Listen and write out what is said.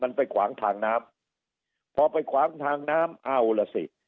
มันไปขวางทางน้ำพอไปขวางทางน้ำเอาล่ะสิ